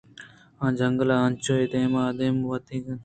آ جنگل ءَ انچو اے دیم ءُ آدیم ویل اَت ءُ ترّگ ءَ اَت